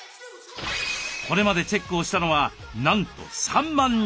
これまでチェックをしたのはなんと３万人。